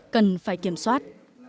cần phải kiểm soát